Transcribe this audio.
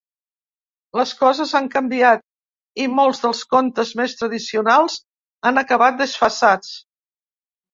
Les coses han canviat i molts dels contes més tradicionals han acabat desfasats.